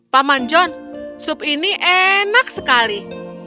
pak manjon sup ini enak sekali